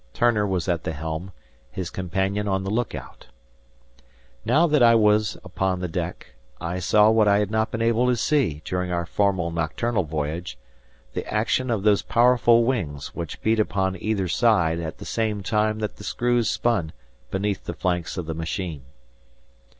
Turner was at the helm, his companion on the look out. Now that I was upon the deck, I saw what I had not been able to see during our former nocturnal voyage, the action of those powerful wings which beat upon either side at the same time that the screws spun beneath the flanks of the machine.